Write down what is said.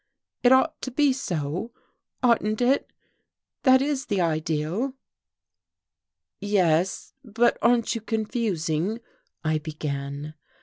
It ought to be so oughtn't it? That is the ideal." "Yes but aren't you confusing ?" I began.